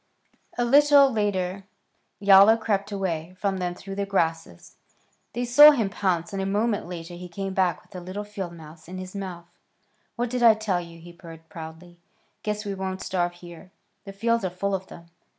A little later Yowler crept away from them through the grasses. They saw him pounce, and a moment later he came back with a little field mouse in his mouth. "What did I tell you?" he purred, proudly. "Guess we won't starve here. The fields are full of them."